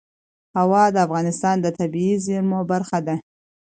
هوا د افغانستان د طبیعي زیرمو برخه ده.